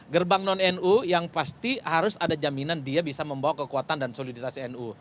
gerbang non nu yang pasti harus ada jaminan dia bisa membawa kekuatan dan soliditas nu